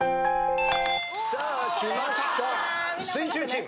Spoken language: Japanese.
さあきました水１０チーム。